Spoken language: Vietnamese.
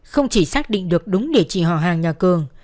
không chỉ xác định được đúng địa chỉ họ hàng nhà cường